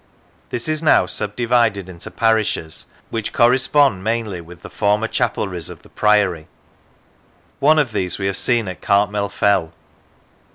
This is now sub divided into parishes which correspond mainly with the former chapelries of the Priory; one of these we have seen at Cartmel Fell.